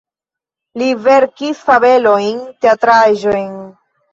Li verkis fabelojn, teatraĵojn.